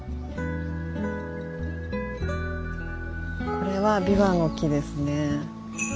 これはビワの木ですね。